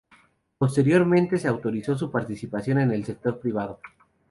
Posteriormente se autorizó su participación en el sector privado.